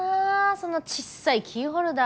そのちっさいキーホルダー。